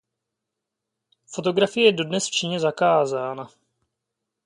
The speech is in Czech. Fotografie je dodnes v Číně zakázaná.